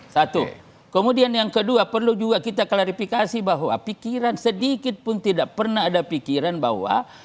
satu kemudian yang kedua perlu juga kita klarifikasi bahwa pikiran sedikit pun tidak pernah ada pikiran bahwa